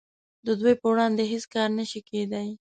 د دوی په وړاندې هیڅ کار نشي کیدای